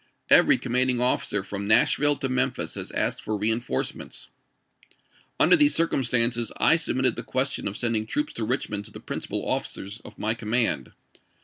Every commanding officer from Nashville to Memphis has asked for reenf orcements. Under these circumstances I submitted the question of sending troops to Richmond to the principal officers of my command.